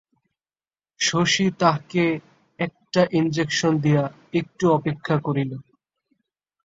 শশী তাহকে একটা ইনজেকশন দিয়া একটু অপেক্ষা করিল।